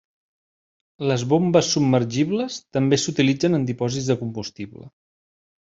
Les bombes submergibles també s'utilitzen en dipòsits de combustible.